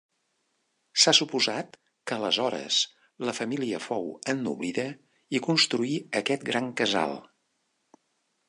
S'ha suposat que aleshores la família fou ennoblida i construí aquest gran casal.